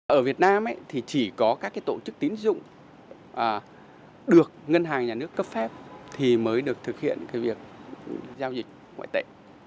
ở việt nam thì chỉ có các tổ chức tín dụng được ngân hàng nhà nước cấp phép thì mới được thực hiện việc giao dịch ngoại tệ